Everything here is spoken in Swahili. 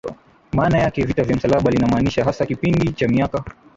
maana yake Vita vya Msalaba linamaanisha hasa kipindi cha miaka